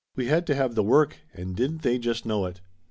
We had to have the work, and didn't they just know it!